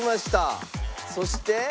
そして。